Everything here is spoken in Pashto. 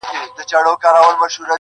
چاته وايی سخاوت دي یزداني دی-